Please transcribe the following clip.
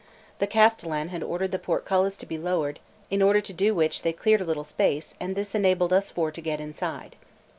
The castellan had ordered the portcullis to be lowered, in order to do which they cleared a little space, and this enabled us four to get inside.